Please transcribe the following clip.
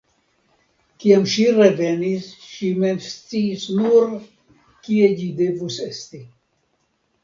Kiam ŝi revenis, ŝi mem sciis nur, kie ĝi devus esti.